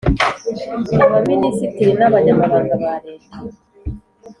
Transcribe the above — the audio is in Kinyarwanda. Abaminisitiri n Abanyamabanga ba Leta